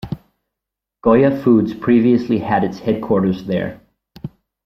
Goya Foods previously had its headquarters there.